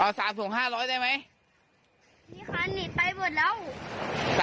เอา๓ถุง๕๐๐ได้ไหมนี่ค้าหนีไปบ่ดลูก